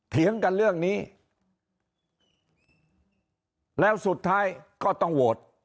เถียงกันเรื่องนี้แล้วสุดท้ายก็ต้องโหวต